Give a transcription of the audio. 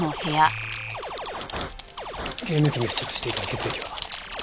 ゲーム機に付着していた血液は？